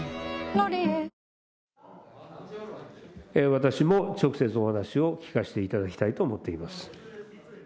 私も直接、お話を聞かせていただきたいと思っています。